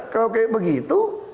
kalau kayak begitu